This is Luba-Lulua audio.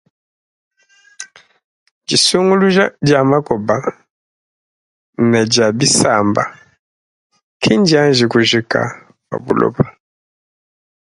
Disunguluja dia makoba ne dia bisamba kindianji kujika pa buloba.